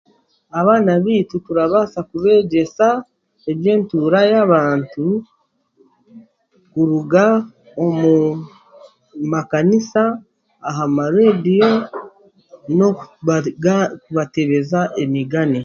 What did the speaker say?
Abaana beitu turabaasa kubegyesa eby'entuura y'abaantu kuruga omumakaniisa, aha m'areediyo, n'okubatebeza emigane.